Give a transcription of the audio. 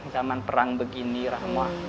zaman perang begini rahma